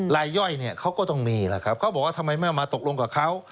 ลายย่อยเขาก็ต้องมีนะครับเขาบอกว่าทำไมไม่มาตกลงกับเขา